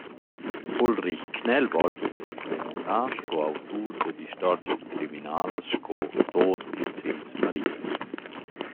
Ulrich Knellwolf es renomnà sco autur dad istorgias criminalas sco «Tod in Sils Maria».